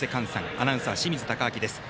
アナウンサーは清水敬亮です。